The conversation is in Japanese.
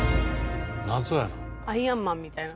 謎やな。